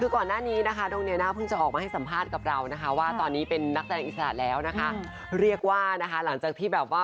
เราไปชมภาพสักเล็กน้อยค่ะ